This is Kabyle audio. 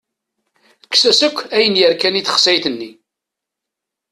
Kkes-as akk ayen yerkan i texsayt-nni.